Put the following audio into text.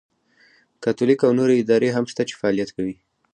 کاتولیک او نورې ادارې هم شته چې فعالیت کوي.